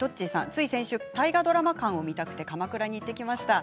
つい最近、大河ドラマ館を見たくて鎌倉に行ってきました。